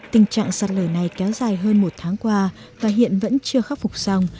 tình trạng sạt lở này kéo dài hơn một tháng qua và hiện vẫn chưa khắc phục xong